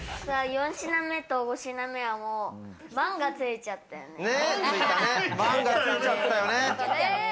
４品目と５品目は、もう「万」がついちゃったよね。